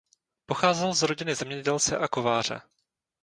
Pocházel z rodiny zemědělce a kováře.